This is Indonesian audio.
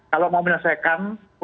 kalau mau menyelesaikan